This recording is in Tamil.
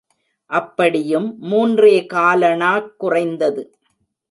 அப்படியும் மூன்றே காலணாக் குறைந்தது.